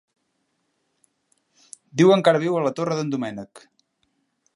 Diuen que ara viu a la Torre d'en Doménec.